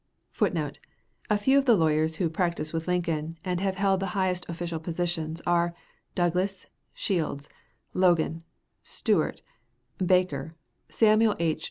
[Footnote: A few of the lawyers who practiced with Lincoln, and have held the highest official positions, are Douglas, Shields, Logan, Stuart, Baker, Samuel H.